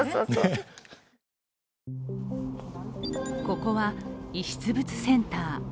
ここは遺失物センター。